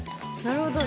なるほど。